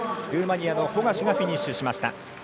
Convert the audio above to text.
ルーマニアのホガシュがフィニッシュしました。